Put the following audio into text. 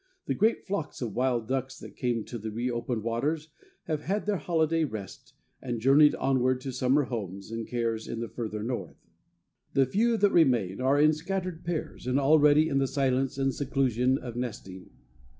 The great flocks of wild ducks that came to the reopened waters have had their holiday rest, and journeyed onward to summer homes and cares in the further north. The few that remain are in scattered pairs and already in the silence and seclusion of nesting.